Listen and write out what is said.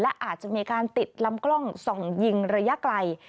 และอาจจะมีการติดลำกล้องส่องยิงระยะไกล